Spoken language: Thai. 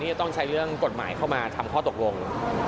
จะต้องใช้เรื่องกฎหมายเข้ามาทำข้อตกลง